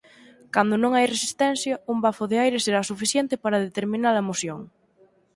Cando non hai resistencia, un bafo de aire será suficiente para determina-la moción.